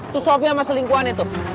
tuh suapnya sama selingkuhannya tuh